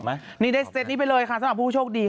นี่ได้เซตนี้ไปเลยค่ะสำหรับผู้โชคดี